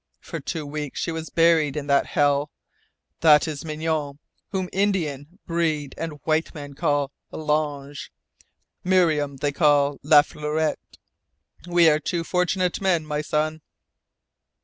For two weeks she was buried in that hell. That is Mignonne, whom Indian, breed, and white man call L'Ange. Miriam they call La Fleurette. We are two fortunate men, my son!"